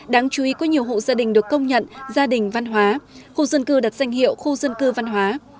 đáng chú ý có nhiều hộ gia đình được công nhận gia đình văn hóa khu dân cư đặt danh hiệu khu dân cư văn hóa